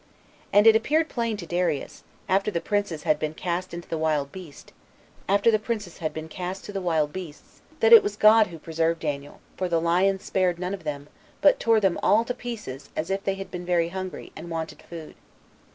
And it appeared plain to Darius, after the princes had been cast to the wild beasts, that it was God who preserved Daniel 25 for the lions spared none of them, but tore them all to pieces, as if they had been very hungry, and wanted food.